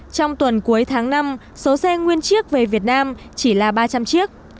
trong tuần cuối tháng năm số xe nguyên chiếc về việt nam chỉ là ba trăm linh chiếc